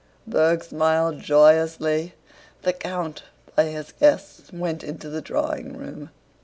Berg smiled joyously. The count, followed by his guests, went into the drawing room.